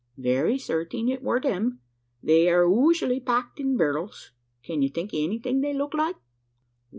"Very certing it were them they air usooaly packed in berr'ls. Can you think o' anything they looked like?"